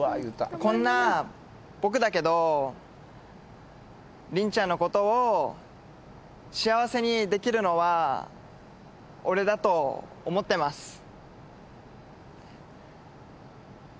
こんな僕だけどりんちゃんのことを幸せにできるのは俺だと思ってます